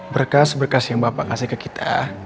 berkas berkas yang bapak kasih ke kita